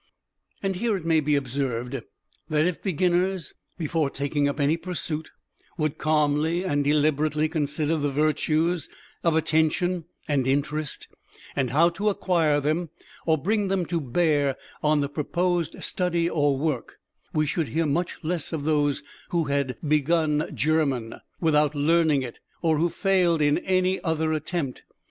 And here it may be observed that if beginners, before taking up any pursuit, would calmly and deliberately consider the virtues of Attention and Interest, and how to acquire them, or bring them to bear on the proposed study or work, we should hear much less of those who had "begun German" without learning it, or who failed in any other attempt.